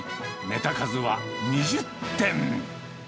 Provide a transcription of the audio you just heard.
ネタ数は２０点。